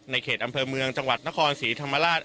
ในเขตอำเมืองจะหวัดนครศรีธรรมราช